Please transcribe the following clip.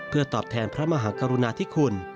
เพื่อตอบแทนพระมหากรุณาธิคุณ